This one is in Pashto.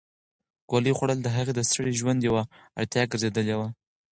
ګولۍ خوړل د هغې د ستړي ژوند یوه اړتیا ګرځېدلې وه.